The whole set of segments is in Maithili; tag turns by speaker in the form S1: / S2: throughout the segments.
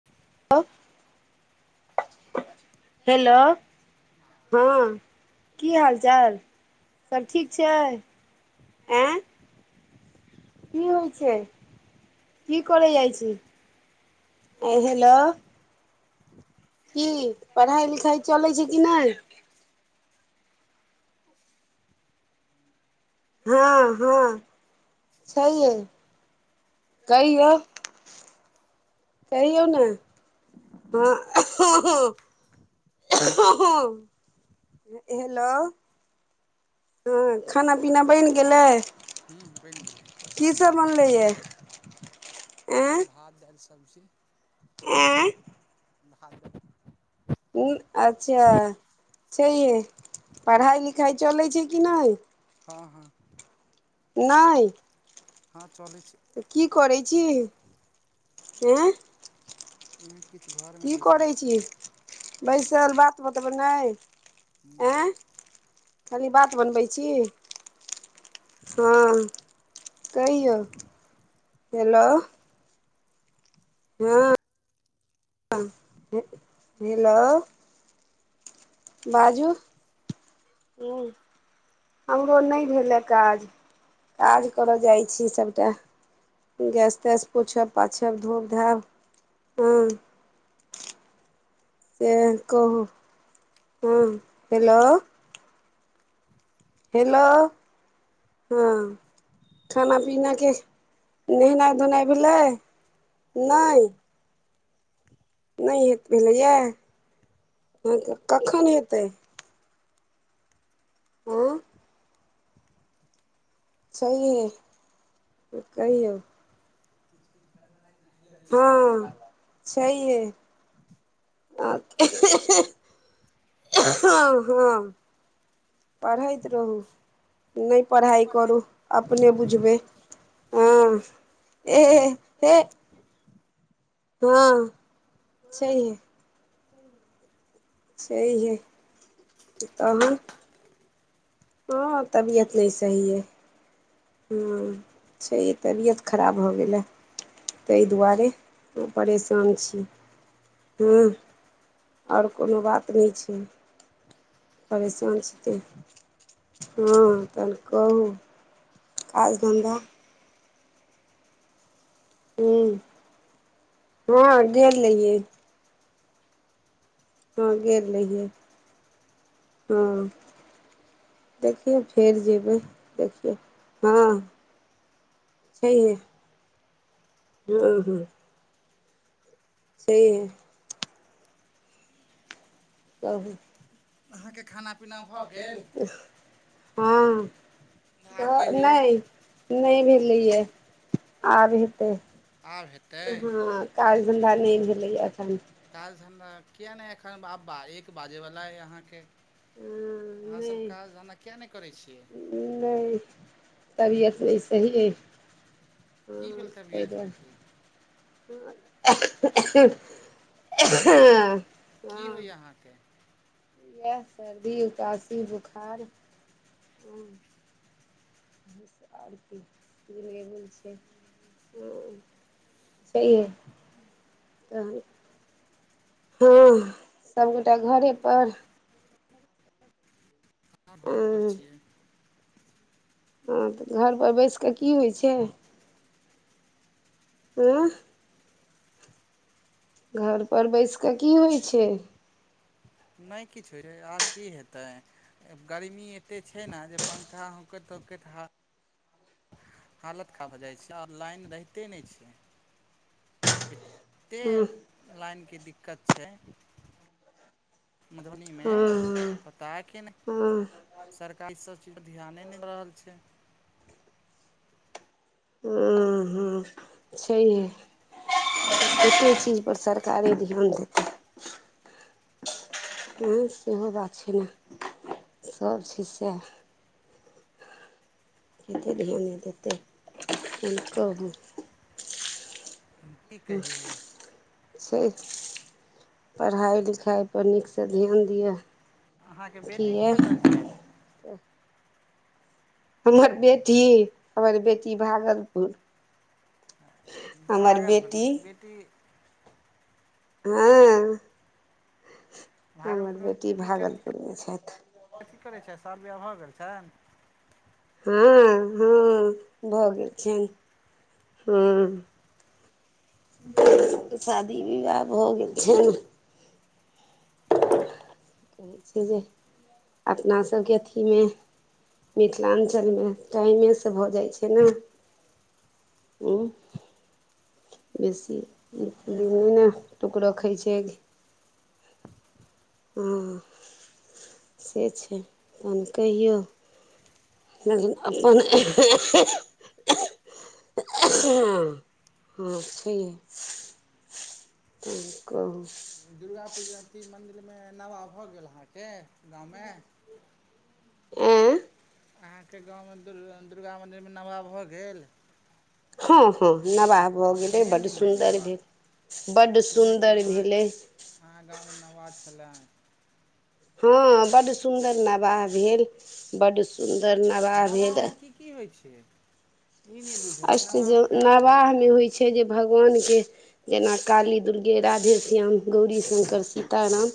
S1: [unintelligible] हेलो [inaudible] हँ [inaudible] की हाल चाल सभ ठीक छै [inaudible] एं की होइ छै [inaudible] की करे जाइ छी [inaudible] हेलो की पड़ाय लिखाइ चलै छै कि नै हँ हँ [inaudible] छैहे [inaudible] कहियौ
S2: [unintelligible]
S1: कहियौ ने [inaudible] हँ [unintelligible] [unintelligible] हेलो- खाना पीना बैन गेलै
S2: हूँ बैन गेलै
S1: की सब बनलै यऽ [inaudible] एं
S2: भात हाइल सब्जी
S1: [unintelligible]
S2: भात दाइल [unintelligible]
S1: अच्छा छै ये पड़हाय लिखाइ चलै छै कि नै
S2: हऽ हऽ
S1: नै
S2: हऽ चलै छै
S1: की करै छी [inaudible] हैं
S2: नै किछ घर म बैसल छी
S1: बैसल बात बतबै नै
S2: [unintelligible]
S1: खाली बात बनबै छी [inaudible] हँ कहिओ [inaudible] हेलो हँ [unintelligible] हेलो बाजू [unintelligible] हमरो नै भेलै काज काज कर जाइत छी सभटा गैस तैस पोछब पाछब धोब धाब हँ यै कहु [inaudible] हँ हेलो हेलो [inaudible] हँ खाना पीना केँ नहेनाइ धोनाइ भेलै नै- नै हेत भेलैय [inaudible] हऽ तऽ कखन हेतै [unintelligible] छैय है [inaudible] कहियो
S2: [inaudible]
S1: हँ छैहिये आ [unintelligible] हँ पढ़ैत रहु नय पढ़ाई करू अपने बुझबै हँ हेे हे हँ छैहिये छैहिये तहन हँ तबियत नय सही अय हँ छै ई तबियत खराब भऽ गेलै तय दुआरे ह परेशान छी हँ ओर कोनो बात नय छै परेशान छि तैं हँ तहन कहु काज धन्धा हु हँ गेल रहियै हँ गेल रहियै हँ देखियौ फेर जेबै देखियौ हँ छैइहे [unintelligible] छयहे कहु
S2: अहाँके खाना पीना भऽ गेल
S1: हँ
S2: आब कहियौ
S1: नय
S2: आब
S1: नय भेलैए आब हेतै
S2: हेतै
S1: हँ काज धन्धा नय भेलैया एखन
S2: काज धन्धा किए नय एखन बा बा एक बाजयवला अइ अहाँके
S1: हँ
S2: अहाँसभ काज धंधा किएक नय करै छियै
S1: नय तबियत नय सहिये
S2: की भेल तबियत के
S1: ह [inaudible]
S2: की होइए अहाँके
S1: इएह सर्दी उकासी बोखार हँ [inaudible] आर कीलबल छै ह्म छैएहै तहन हँ सबगोटा घरे पर
S2: आ घरे पर
S1: हँ
S2: छियै
S1: हँ तऽ घर पर बैस कऽ की होइ छैय उँ घरपर बैस कऽ की होइ छै
S2: नय किछु होइ छै आर की हेतै गर्मी एतेक छै ने जे पंखा होकैत होकैत हा हालत खराब भऽ जाइ छै आ लाइन रहिते नय छै एते
S1: हँ
S2: लाइनके दिक्कत छै मधुबनी मे
S1: हँ
S2: पता कि नै
S1: हँ
S2: सरकार ई सब चीजपर ध्याने नय दऽ रहल छै
S1: छैनहे केते चीजपर सरकारे धि्यन देतै एहन सेहो बात छै ने सब छय सएह कतेक ध्यान नय देतै से कहु
S2: की कही
S1: [unintelligible] छै पढ़ाइ लिखाइ पर नीक सँ ध्यान दिअ
S2: अहाँके बेटी
S1: किया
S2: कतऽ छथि
S1: हमर बेटी हमर बेटी भागलपुर हमर
S2: भागलपुर में
S1: बेटी
S2: की बेटी
S1: हँ। हमर
S2: भागलपुर मे बेटी केथी
S1: भागलपुरमे छथि
S2: कथी करै छै साल विवाह भऽ गेल छनि
S1: हँ हँ भऽ गेल छनि हँ। शादी विवाह भ गेल छैन की कहै छै जे अपना सबके अथी मे मिथिलाञ्चल मे टाइमे से भऽ जाइ छै ने उ बेसी दिन नय ने रखै छै हँ से छै तहन कहियौ लेकिन अपन हँ हँ छी की कहू।
S2: दुर्गाापूजा ती मन्दिर मे नवाह भऽ गेल अहाँके गाँव मे।
S1: आँ
S2: अहाँ के गाँव मे दुर्गा मन्दिर मे नमाह भऽ गेल
S1: हँ। हँ नवाह भऽ गेलै बडड
S2: केहन भेलै
S1: सुन्दर
S2: नवाह
S1: भेल बड
S2: सुनै
S1: सुन्दर
S2: छलहुँ अहाँ
S1: भेलै,
S2: अहाँ गाँव मे नवा छलै
S1: हँ बड सुन्दर नवाह भेल बड सुन्दर नवाह भेल
S2: नवाहमे की की होइ छै ई नय बुझल
S1: अष्ट
S2: नवहा
S1: जे
S2: केकरा कहइत छै,
S1: नवाहमे होइ छै जे भगवान के जेना काली दुर्गे राधेश्याम गौरी संकर सीताराम।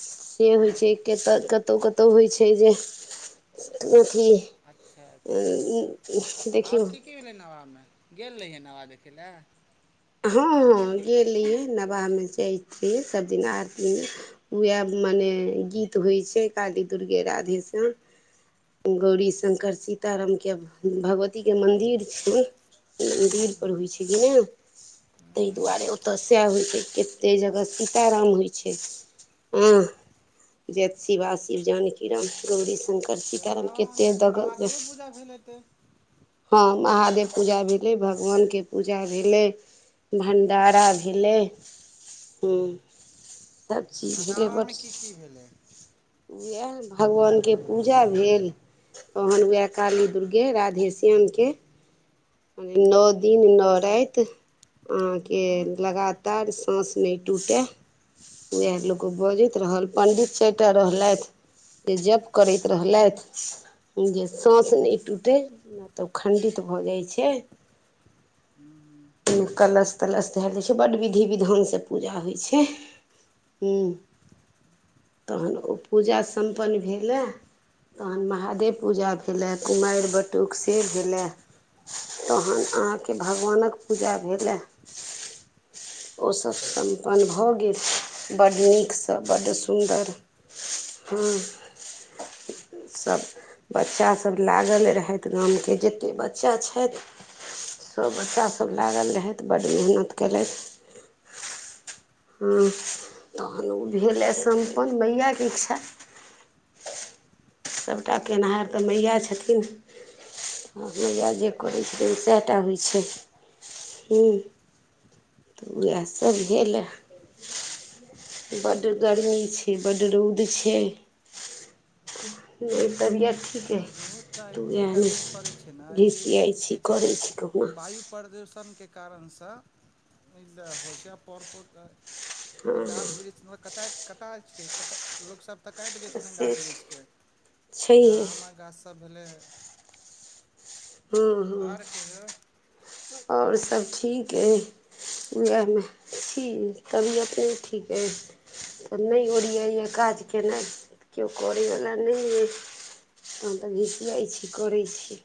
S1: से होइ छै कतय कतहु कतहु होइ छै जे अथी
S2: अच्छा अच्छा आओर
S1: देखियौ
S2: की की भेलै नवामे गेल रहियै नवाह देखै लए
S1: हँ हँ। गेली रहिये नबाह मे जाइ छिए सभ दिन आरती मे उएह मने गीत होइ छै काली दुर्गे राधे श्याम गौरी शंकर सीताराम के भगवती के मन्दिर छ। दीर पर होइ छै कि ना ताहि दुआरे ओतय सएह होइ छै कतेक जगह सीताराम होइ छै, ह जेत शिवा शिव जानकी राम गौरी शंकर कर छी
S2: तऽ
S1: कारण कते
S2: नवाहमे तऽ
S1: दग
S2: महादेवे पूजा भेल हेतै
S1: हँ महादेव पूजा भेले भगवान के पूजा भेले, भण्डारा भेलै हँ,
S2: तऽ
S1: सबचीज भेलै
S2: भण्डारामे
S1: बड
S2: की की भेलै
S1: उएह भगवान के पूजा भेल तहन वएह काली दुर्गे राधे श्याम के नओ दिन नओ राइत अहाँके
S2: हूँ
S1: लगातार साँस नय टूटय उएह
S2: हूँ
S1: लोक
S2: हूँ
S1: बजैत रहल पण्डित चार टा रह लैथ से जप करैत रहलैथ जे साँस नय टूटै नय तऽ ओ खण्डित भऽ जाइ छै
S2: हूँ हू [inaudible]
S1: ओहिमे कलश तलश धयल जाइ छै बड्ड विधि विधानसँ पूजा होइ छै ह्म तहन ओ पूजा सम्पन्न भेलए तहन महादेव पूजा भेलै कुमैर बटुक से भेलै तहन अहाँके भगवानक पूजा भेलै ओसभ सम्पन्न भऽ गेल बड्ड नीकसँ बड्ड सुन्दर हँ सभ बच्चासभ लागल रहैथ गामके जतेक ब बच्चा छैथ सब बच्चास सब लागल रहैथ बड्ड मेहनत केलैथ हँ तहन ओ भेलए सम्पन्न मइयाके इच्छा सबटा केनहार तऽ मैया छथिन मैया जे करै छैथ सैह टा होइ छै [inaudible] हू तऽ उएहसभ भेल येऽ बड गर्मी छै बड्ड रौद छै [inaudible] तबियत ठीक अइ
S2: रोज तऽ एतेक
S1: उएह ने
S2: गर्मी पड़ैत छै नै ई
S1: घिसियाइ
S2: की
S1: छी
S2: कहै छै
S1: करै छी कहुना
S2: वायु प्रदूषणके कारणसँ ई होइ छै आ हँ गाछ वृक्ष [inaudible] कताइत कटा छै कटा लोकसभ तऽ काइट दै छथिन
S1: से
S2: गाछ वृक्षके
S1: छैहे
S2: जेना आमक गाछसभ भेलै आर कहियौ
S1: ओर सब ठीक अइ उ उएहमे छी तबियत नइ ठीक अइ तऽ नय ओरियाइया काज केयनाइ कियो करयवला नय यइ तहन तऽ घिसियाइ छी करै छी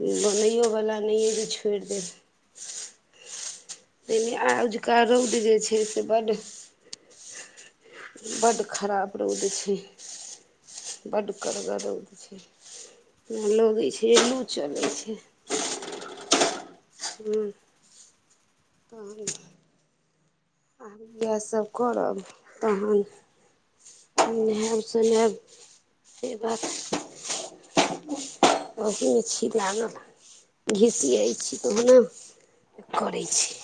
S1: बनैओवला नय या जे छोइड़ देब तइमे आ ओझका रौद जे छै से बड्ड बड्ड खराब रौद छै बड्ड कड़गड़ रौद छै लगै छैे जे लू चलै छै हू तहन इहेसब करब तहन नहायब सुनयब से बात अपने [inaudible] छी लागल घिसियै छी कहुना करै छी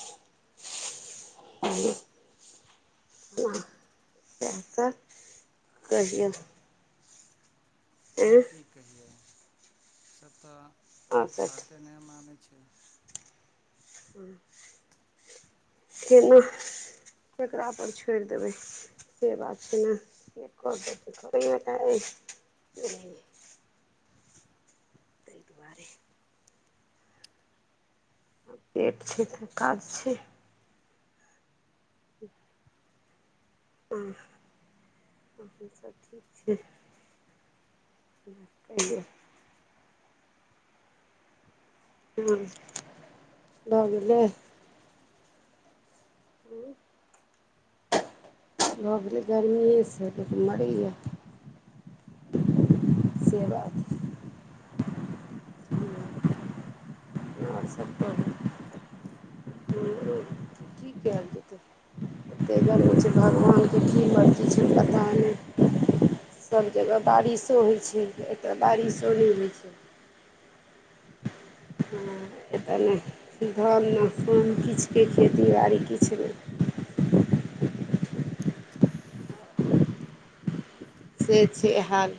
S1: आरो [inaudible] नाह सेह तऽ कहियौ आँय
S2: आब की कहियै ई सब तऽ
S1: आओर सभ
S2: बाते नय मानै छै
S1: [inaudible] फेनूह केकरा पर छोड़ देबै से बात छै ने [inaudible] तेयक दुआरे पेट छै तऽ काज छै [inaudible] हँ आओर सभ ठीक छै कहियौ हँ ल गेलै उंम्म भऽ गेलै गर्मिएसँ लोक मरैये से बात छै आओर सब कहू हुँ की कैल जेतै ओते गर्मी छै भगवानके की मर्जी छै पता नय सभ जगह बारिशो होइ छै एतऽ बारिशो नय होइ छै हँ एतऽ नय धान नय पान किछके खेती बाड़ी किछु नय से छै हाल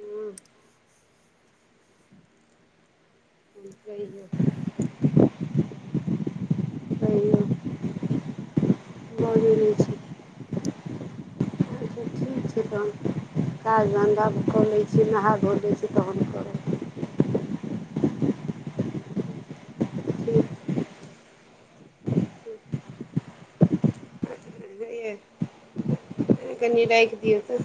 S1: हँ हुँ कहियौ हुँ बजु ने छै अच्छा तहन काज धन्धा कऽ लै छियै नहा धो लै छियै तहन करब ठीक बुनलियै कनी राखि दियौ तऽ